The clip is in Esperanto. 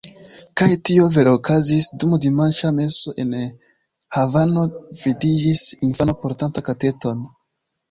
Kaj tio vere okazis: dum dimanĉa meso en Havano vidiĝis infano portanta kateton.